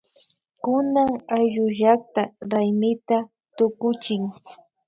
Kunan ayllullakta raymita tukuchin